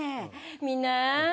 みんな。